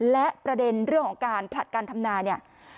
และประเด็นเรื่องของการผลัดการทำนาเนี่ย